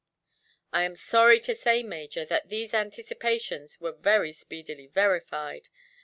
"I am sorry to say, Major, that these anticipations were very speedily verified.